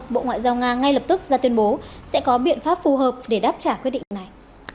bộ ngoại giao nga ngay lập tức ra tuyên bố sẽ có biện pháp phù hợp để đáp trả quyết định này